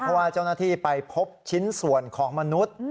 เพราะว่าเจ้าหน้าที่ไปพบชิ้นส่วนของมนุษย์